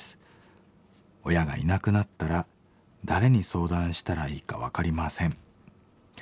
親がいなくなったら誰に相談したらいいか分かりません」。